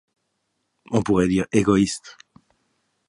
On pourrait dire “ égoïste ”.